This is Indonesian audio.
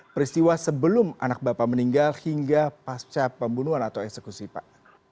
peristiwa sebelum anak bapak meninggal hingga pasca pembunuhan atau eksekusi pak